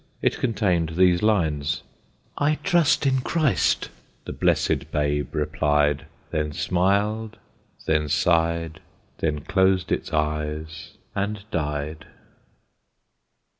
It contained these lines: "'I trust in Christ,' the blessed babe replied, Then smil'd, then sigh'd, then clos'd its eyes and died."